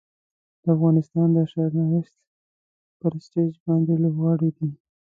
د افغانستان د سرنوشت پر سټیج باندې لوبغاړي دي.